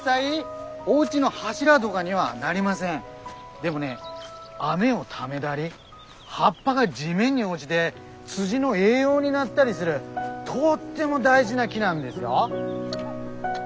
でもね雨をためだり葉っぱが地面に落ぢで土の栄養になったりするとっても大事な木なんですよ。